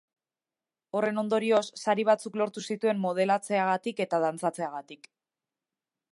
Horren ondorioz, sari batzuk lortu zituen modelatzeagatik eta dantzatzeagatik.